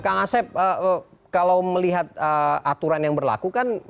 kang asep kalau melihat aturan yang berlaku kan